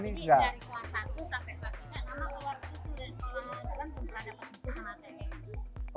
dari kelas satu sampai kelas lima nama keluar itu tuh dari sekolah kan belum pernah dapat buku sama atm